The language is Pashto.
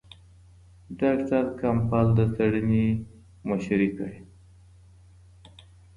ډاکټر کمپبل د څېړنې مشري کړې.